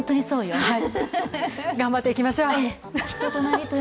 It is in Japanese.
頑張っていきましょう！